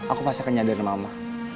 aku pasti akan nyadarin mama